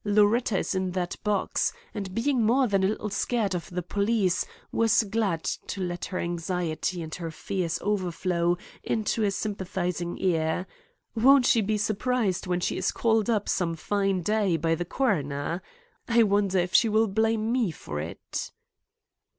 Loretta is in that box, and being more than a little scared of the police, was glad to let her anxiety and her fears overflow into a sympathizing ear. Won't she be surprised when she is called up some fine day by the coroner! I wonder if she will blame me for it?"